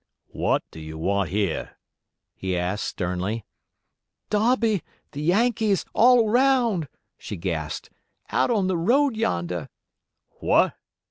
"What do you want here?" he asked, sternly. "Darby—the Yankees—all around," she gasped—"out on the road yonder." "What!"